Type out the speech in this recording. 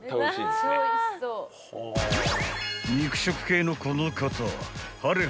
［肉食系のこの方はれ